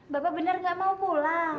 bapak benar nggak mau pulang